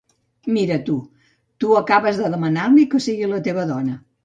Mira, tu, tu acabes de demanar-li que sigui la teva dona.